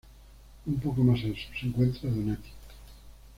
Un poco más al sur se encuentra Donati.